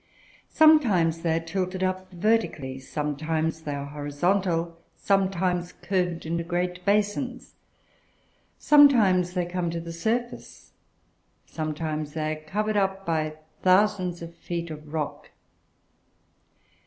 Sometimes they are tilted up vertically, sometimes they are horizontal, sometimes curved into great basins; sometimes they come to the surface, sometimes they are covered up by thousands of feet of rock.